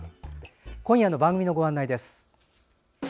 今夜の番組のご案内です。